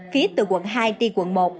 phía từ quận hai đi quận một